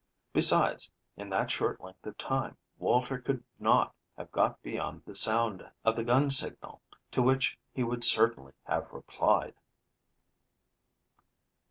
Besides, in that short length of time, Walter could not have got beyond the sound of the gun signal, to which he would certainly have replied.